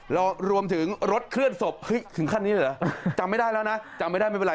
แล้วรวมถึงรถเคลื่อนศพเฮ้ยถึงขั้นนี้เลยเหรอจำไม่ได้แล้วนะจำไม่ได้ไม่เป็นไร